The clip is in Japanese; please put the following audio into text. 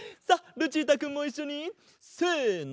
ルチータくんもいっしょにせの。